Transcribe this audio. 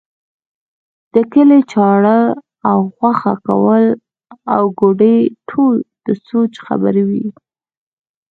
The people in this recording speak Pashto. د کلي چاړه او غوښه کول او کوډې ټول د سوچ خبرې وې.